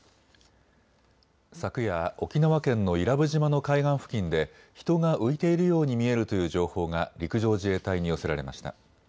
昨夜、沖縄県の伊良部島の海岸付近で人が浮いているように見えるという情報が陸上自衛隊に寄せられました。